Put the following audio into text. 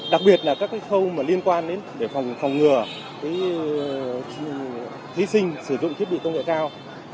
đặc biệt là các khâu liên quan đến phòng ngừa thí sinh sử dụng thiết bị công nghệ cao